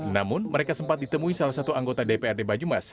namun mereka sempat ditemui salah satu anggota dprd banyumas